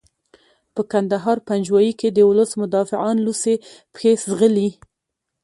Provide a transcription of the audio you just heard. په کندهار پنجوايي کې د ولس مدافعان لوڅې پښې ځغلي.